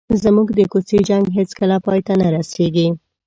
زموږ د کوڅې جنګ هېڅکله پای ته نه رسېږي.